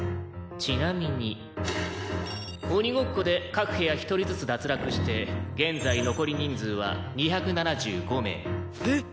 「ちなみにオニごっこで各部屋１人ずつ脱落して現在残り人数は２７５名」えっ？